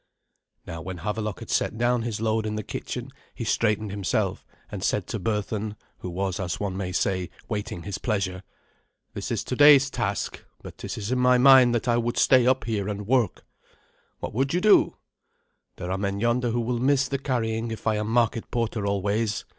Now when Havelok had set down his load in the kitchen, he straightened himself and said to Berthun, who was, as one may say, waiting his pleasure. "This is today's task; but it is in my mind that I would stay up here and work." "What would you do?" "There are men yonder who will miss the carrying if I am market porter always.